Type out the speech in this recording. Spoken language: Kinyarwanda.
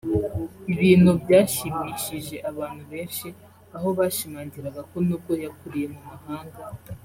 ibintu byashimishije abantu benshi aho bashimangiraga ko n’ubwo yakuriye mu mahanga